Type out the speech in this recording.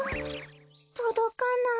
とどかない。